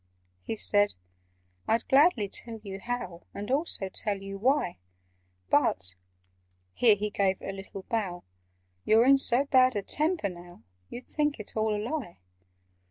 He said "I'd gladly tell you how, And also tell you why; But" (here he gave a little bow) "You're in so bad a temper now, You'd think it all a lie.